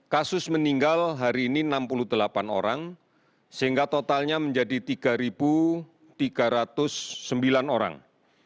kasus meninggal hari ini enam puluh delapan orang sehingga totalnya menjadi tiga tiga ratus sembilan orang